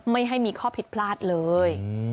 ไม่ให้มีข้อผิดพลาดเลย